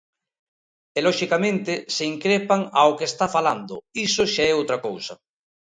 E, loxicamente, se increpan ao que está falando, iso xa é outra cousa.